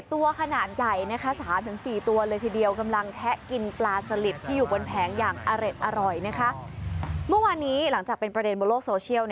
ตัวขนาดใหญ่นะคะ๓๔ตัวเลยทีเดียว